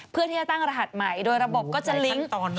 เพื่อที่จะตั้งรหัสใหม่โดยระบบก็จะลิงก์